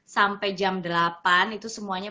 sampai jam delapan itu semuanya